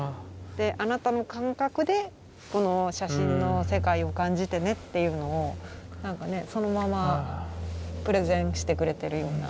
であなたの感覚でこの写真の世界を感じてねっていうのをなんかねそのままプレゼンしてくれてるような。